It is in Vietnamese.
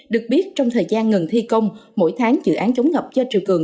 được biết trong thời gian ngừng thi công mỗi tháng dự án chống ngập do triều cường